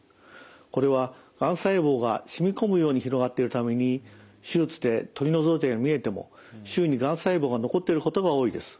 これはがん細胞が染み込むように広がっているために手術で取り除いたように見えても周囲にがん細胞が残っていることが多いです。